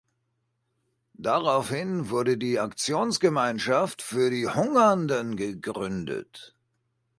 Daraufhin wurde die Aktionsgemeinschaft für die Hungernden gegründet.